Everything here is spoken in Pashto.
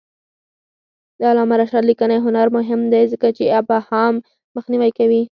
د علامه رشاد لیکنی هنر مهم دی ځکه چې ابهام مخنیوی کوي.